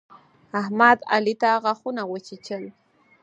احمد، علي ته غاښونه وچيچل.